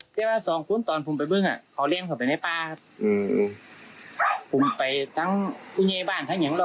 พี่บ๊วยพี่บ๊ายพี่บ๊ายพี่บ๊ายพี่บ๊ายพี่บ๊ายพี่บ๊ายพี่บ๊าย